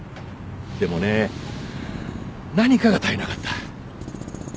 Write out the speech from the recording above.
でもね何かが足りなかった。